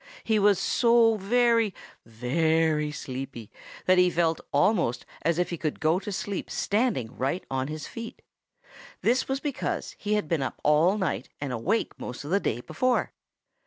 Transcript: He was so very, very sleepy that he felt almost as if he could go to sleep standing right on his feet. This was because he had been up all night and awake most of the day before.